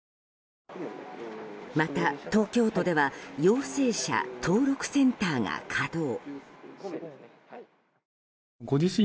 また、東京都では陽性者登録センターが稼働。